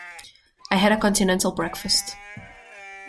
I had a continental breakfast.